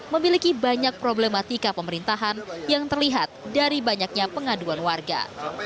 memiliki banyak problematika pemerintahan yang terlihat dari banyaknya pengaduan warga